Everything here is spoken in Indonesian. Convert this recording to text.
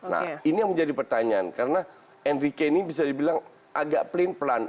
nah ini yang menjadi pertanyaan karena henry kane ini bisa dibilang agak pelan pelan